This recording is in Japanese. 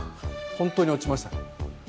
本当に落ちました。